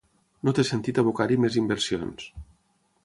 No té sentit abocar-hi més inversions.